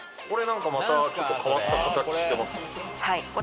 はい。